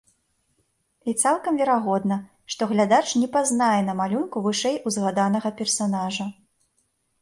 І цалкам верагодна, што глядач не пазнае на малюнку вышэй узгаданага персанажа.